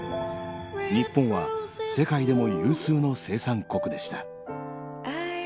日本は世界でも有数の生産国でした。